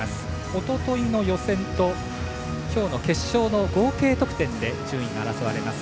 おとといの予選ときょうの決勝の合計得点で、順位が争われます。